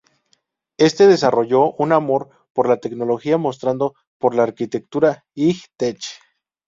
Este desarrolló un amor por la tecnología mostrada por la Arquitectura High Tech.